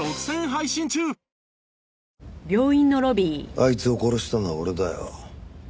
あいつを殺したのは俺だよ。